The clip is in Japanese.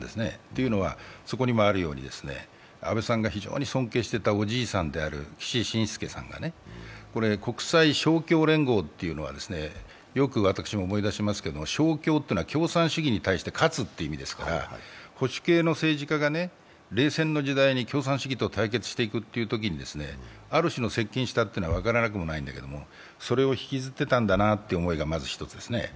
というのは、安倍さんが非常に尊敬していたおじいさんである岸信介さんが国際勝共連合というのは、よく私も思い出しますけど勝共というのは共産主義に対して勝つという意味ですから、保守系の政治家が冷戦の時代に共産主義と対決していくときに、ある種の接近したというのは分からなくもないんだけれども、それを引きずってたんだなという思いがまず一つですね。